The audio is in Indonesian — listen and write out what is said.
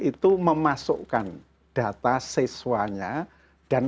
itu memasukkan data siswanya dan